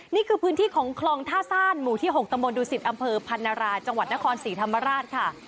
นี่คือพื้นที่ของคลองท่าซ่านหมู่ที่๖ตำบลดูสิตอำเภอพันราจังหวัดนครศรีธรรมราชค่ะ